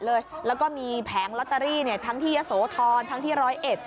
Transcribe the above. แล้วก็มีแผงลอตเตอรี่เนี่ยทั้งที่ยะโสธรทั้งที่ร้อยเอ็ด